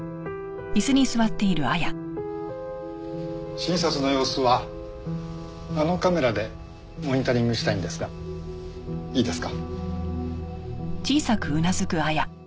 診察の様子はあのカメラでモニタリングしたいんですがいいですか？